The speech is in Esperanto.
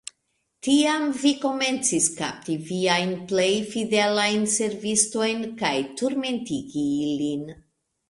Tiam vi komencis kapti viajn plej fidelajn servistojn kaj turmentegi ilin.